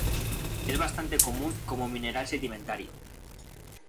Es bastante común como mineral sedimentario.